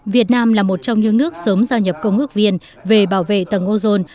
việt nam là một trong những nước sớm giao nhập công ước viên về bảo vệ tầng ozone